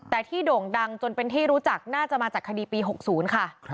แต่ที่โด่งดังจนเป็นที่รู้จักน่าจะมาจากคดีปี๖๐ค่ะ